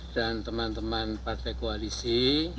dan teman teman partai koalisi